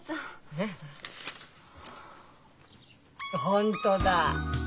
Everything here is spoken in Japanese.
本当だ！